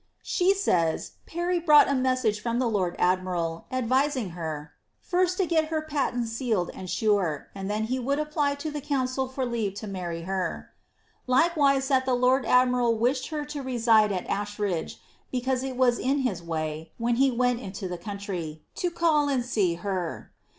'' She says* Parry brought a message from the lord admiral, advising her, ^^ first to get her patents sealed and sure, and then he would apply to the council for leave to marry her.'* Likewise that the lord admiral wished her to reside at Ashridge, because it was in his way, when he went into the country, to call and see her.